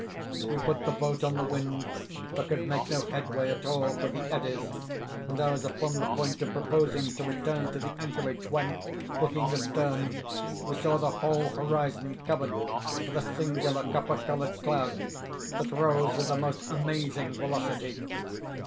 We put the boat on the wind, but could make no headway at all for the eddies, and I was upon the point of proposing to return to the anchorage, when, looking astern, we saw the whole horizon covered with a singular copper colored cloud that rose with the most amazing velocity.